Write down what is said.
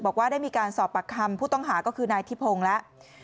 บอกว่าได้มีการสอบปากคำผู้ต้องหาก็คือนายทิพงศ์แล้ว